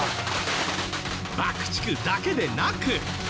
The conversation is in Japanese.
爆竹だけでなく。